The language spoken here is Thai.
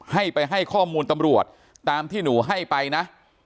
ให้ไปให้ข้อมูลตำรวจตามที่หนูให้ไปนะ